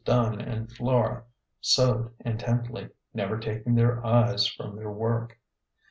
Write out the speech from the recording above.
Dunn and Flora sewed intently, never taking their eyes from their work.